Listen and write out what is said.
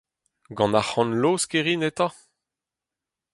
Gant arc’hant-laosk e rin eta ?